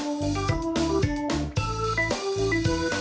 ภูนิสาค่ะมาใหม่เลยนะคะ